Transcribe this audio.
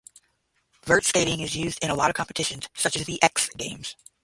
Vert skating is used in a lot of competitions such as the X Games.